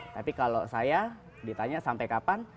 tapi kalau saya ditanya sampai kapan